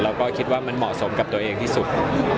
เราก็คิดว่ามันเหมาะสมกับตัวเองที่สุด